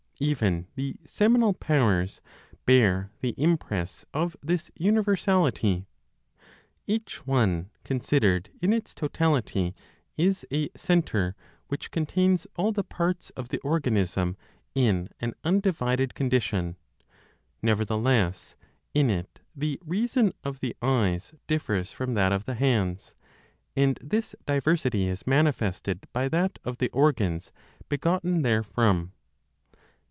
Even the seminal powers bear the impress of this universality. Each one, considered in its totality, is a centre which contains all the parts of the organism in an undivided condition; nevertheless in it the reason of the eyes differs from that of the hands, and this diversity is manifested by that of the organs begotten (therefrom).